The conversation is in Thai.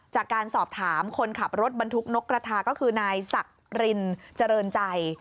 จากการสอบถามคนขับรถบรรทุกนกกระทาก็คือนายสักรินเจริญใจ